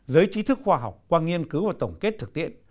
giới trí thức khoa học qua nghiên cứu và tổng kết thực tiễn